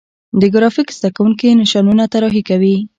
د ګرافیک زده کوونکي نشانونه طراحي کوي.